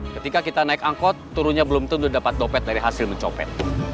ketika kita naik angkot turunnya belum tentu dapat dompet dari hasil mencopet